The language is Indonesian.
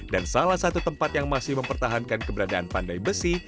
dan salah satu tempat yang masih mempertahankan keberadaan pandai besi